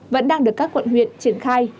vẫn đang được các quận huyện triển khai